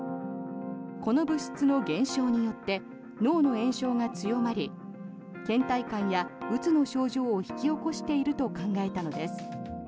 この物質の減少によって脳の炎症が強まりけん怠感やうつの症状を引き起こしていると考えたのです。